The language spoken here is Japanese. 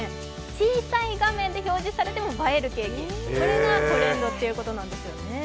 小さい画面で表示されても映えるケーキ、これがトレンドということなんです。